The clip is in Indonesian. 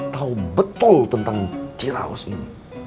tahu betul tentang ciraus ini